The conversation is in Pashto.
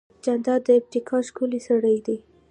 جانداد د ابتکار ښکلی سړی دی.